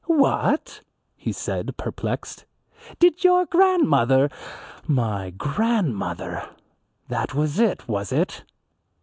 "What," he said, perplexed, "did your grandmother " My grandmother! That was it, was it?